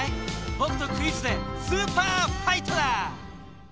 ボクとクイズでスーパーファイトだ！